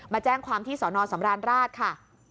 มาแจ้งความที่สอนอสำราญราชค่ะ